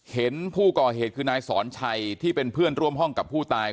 เห็นผู้ก่อเหตุคือนายสอนชัยที่เป็นเพื่อนร่วมห้องกับผู้ตาย